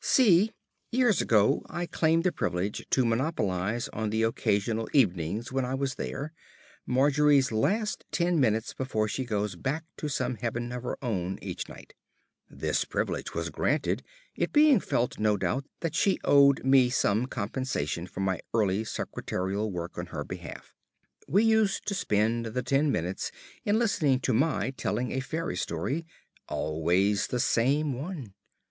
(c) Years ago I claimed the privilege to monopolise on the occasional evenings when I was there, Margery's last ten minutes before she goes back to some heaven of her own each night. This privilege was granted; it being felt, no doubt, that she owed me some compensation for my early secretarial work on her behalf. We used to spend the ten minutes in listening to my telling a fairy story, always the same one.